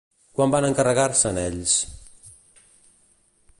Quan van encarregar-se'n ells?